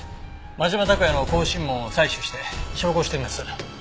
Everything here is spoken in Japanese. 真島拓也の口唇紋を採取して照合してみます。